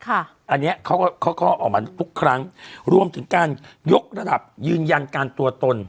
อันนี้เขาก็เขาก็ออกมาทุกครั้งรวมถึงการยกระดับยืนยันการตัวตน